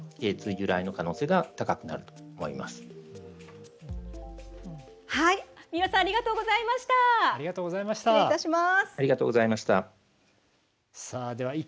由来の可能性が高くなると思います。